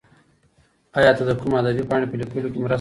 ایا ته د کوم ادبي پاڼې په لیکلو کې مرسته کوې؟